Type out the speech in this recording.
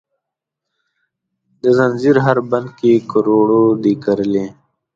د ځنځیر هر بند کې کروړو دي کرلې،